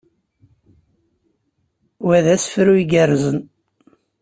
Wa d asefru igerrzen.